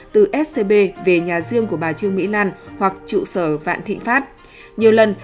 từ scb đến tp hcm